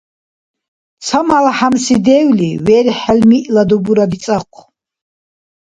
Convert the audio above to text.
Ца малхӀямси девли верхӀел миъла дубура дицӀахъу.